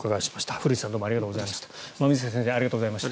古内さん、馬見塚先生ありがとうございました。